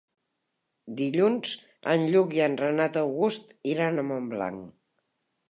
Dilluns en Lluc i en Renat August iran a Montblanc.